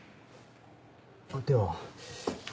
では。